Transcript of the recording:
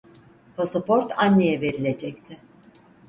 Pasaport anneye verilecekti.